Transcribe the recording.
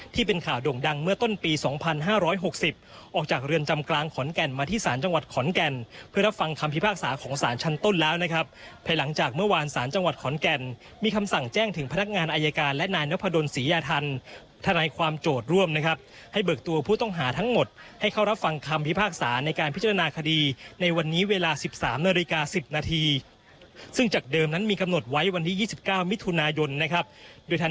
ถึงแม้ว่าสารจะนัดตัดสินในช่วงบายนะคะ